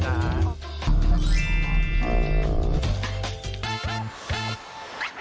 ทำใหม่ทำเพลงวัน